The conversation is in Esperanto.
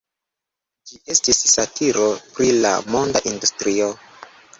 Ĝi estis satiro pri la moda industrio.